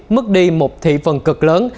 mất đi một thị phần cực lớn